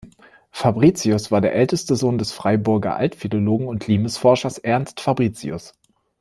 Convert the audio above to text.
Fabricius war der älteste Sohn des Freiburger Altphilologen und Limes-Forschers Ernst Fabricius.